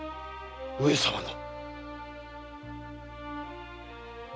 上様の。